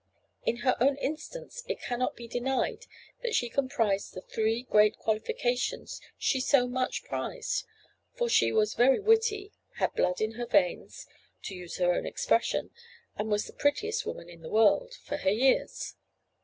In her own instance it cannot be denied that she comprised the three great qualifications she so much prized: for she was very witty; had blood in her veins, to use her own expression; and was the prettiest woman in the world, for her years.